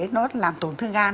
nó làm tổn thương gan